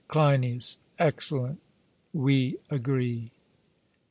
CLEINIAS: Excellent: we agree.